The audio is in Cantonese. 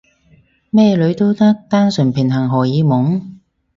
咩女都得？單純平衡荷爾蒙？